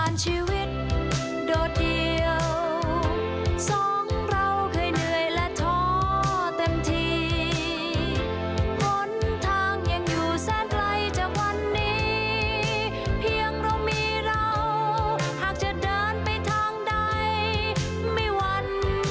มีความสุขที่สุดท้ายของชีวิตสำหรับทุกคน